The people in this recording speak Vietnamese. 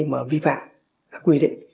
mà vi phạm các quy định